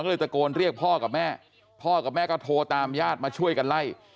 ก็เลยตะโกนเรียกพ่อกับแม่พ่อกับแม่ก็โทรตามญาติมาช่วยกันไล่